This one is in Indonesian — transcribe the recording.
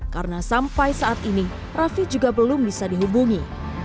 karena sampai saat ini rafi juga belum bisa dihubungi